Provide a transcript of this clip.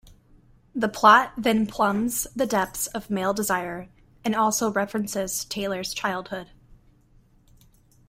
The plot then plumbs the depths of male desire, and also references Taylor's childhood.